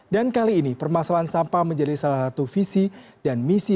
dan kali ini permasalahan sampah menjadi salah satu visi dan misi